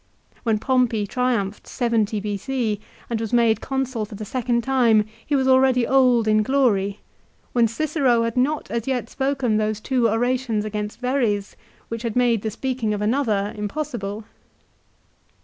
When Pompey triumphed, 70 B.C. and was made Consul for the second time he was already old in glory, when Cicero had not as yet spoken those two orations against Verres which had made the speaking of another impossible.